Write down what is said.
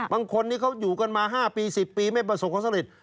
บางคนนี้เขาอยู่กันมา๕ปี๑๐ปีไม่ประสบความสำเร็จ